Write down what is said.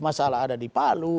masalah ada di palu